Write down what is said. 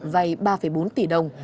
vay ba bốn tỷ đồng